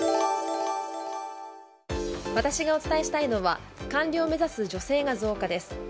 私がお伝えしたいのは官僚目指す女性が増加です。